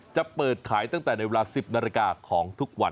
จะเปิดขายตั้งแต่ในเวลา๑๐นาฬิกาของทุกวัน